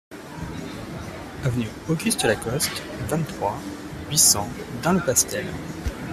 Avenue Auguste Lacote, vingt-trois, huit cents Dun-le-Palestel